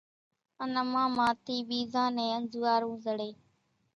ان امان مان ٿي ٻيزان نين انزوئارون زڙي،